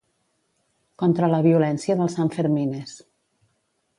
Contra la violència dels Sanfermines.